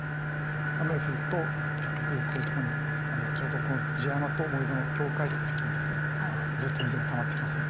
雨が降ると結局こういうところにちょうどこの地山と盛り土の境界付近にずっと水がたまっていきます。